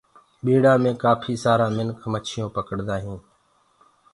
ٻيڙآ مي ڪآڦيٚ سآرا ميِنک مڇيون پڪڙدآ هِينٚ